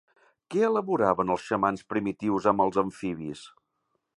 Què elaboraven els xamans primitius amb els amfibis?